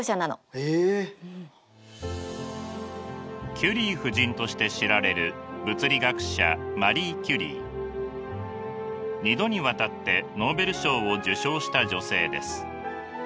キュリー夫人として知られる２度にわたってノーベル賞を受賞した女性です。